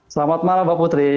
selamat malam mbak putri